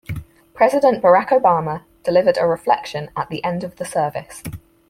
President Barack Obama delivered a reflection at the end of the service.